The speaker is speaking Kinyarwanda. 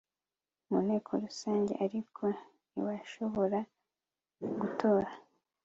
mu nteko rusange ariko ntibashobora gutora